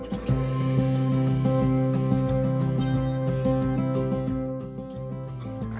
pertanyaan dari pak sutar